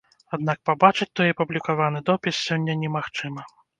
Аднак пабачыць той апублікаваны допіс сёння немагчыма.